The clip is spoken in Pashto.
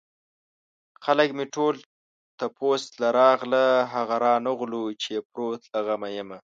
خلک مې ټول تپوس له راغله هغه رانغلو چې يې پروت له غمه يمه